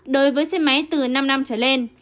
đối với xe máy từ năm năm trở lên